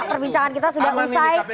perbincangan kita sudah selesai